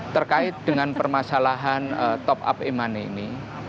terkait dengan permasalahan top up e money ini